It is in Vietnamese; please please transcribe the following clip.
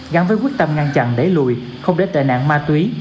gắn với quyết tâm ngăn chặn đẩy lùi không để tệ nạn ma túy